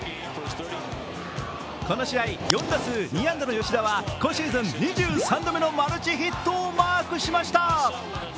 この試合、４打数２安打の吉田は今シーズン２３度目のマルチヒットをマークしました。